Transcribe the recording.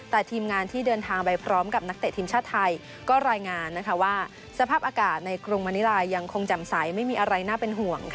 แต่ทีมงานที่เดินทางไปพร้อมกับนักเตะทีมชาติไทยก็รายงานว่าสภาพอากาศในกรุงมณิรายยังคงแจ่มใสไม่มีอะไรน่าเป็นห่วง